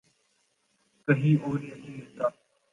کہیں اور نہیں ملتا۔